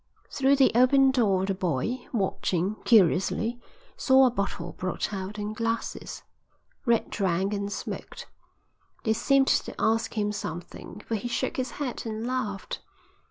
Through the open door the boy, watching curiously, saw a bottle brought out and glasses. Red drank and smoked. They seemed to ask him something, for he shook his head and laughed.